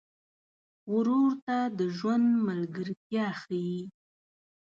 ورور ته د ژوند ملګرتیا ښيي.